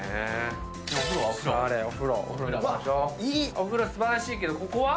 お風呂素晴らしいけどここは？